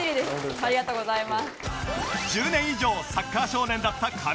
１０年以上サッカー少年だった神尾さん